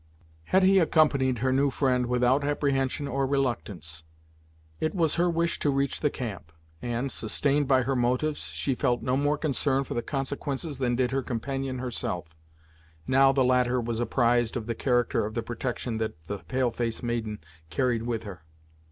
Hetty accompanied her new friend without apprehension or reluctance. It was her wish to reach the camp, and, sustained by her motives, she felt no more concern for the consequences than did her companion herself, now the latter was apprised of the character of the protection that the pale face maiden carried with her.